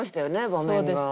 場面が。